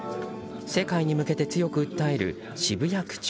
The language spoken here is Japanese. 世界に向けて強く訴える渋谷区長。